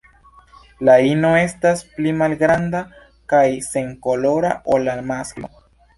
La ino estas pli malgranda kaj senkolora ol la masklo.